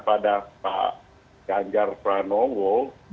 pada pak ganjar pranowo